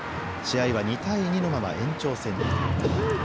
試合は２対２のまま延長戦に。